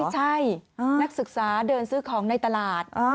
นักศึกษาเดินซื้อของในตลาด